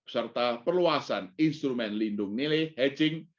serta perluasan instrumen lindung nilai hedging